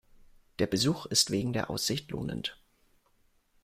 Der Besuch ist wegen der Aussicht lohnend.